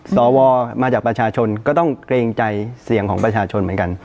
สวมาจากประชาชนก็ต้องเกรงใจเสียงของประชาชนเหมือนกัน